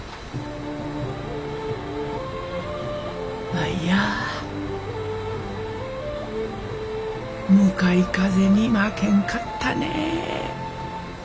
舞や向かい風に負けんかったね。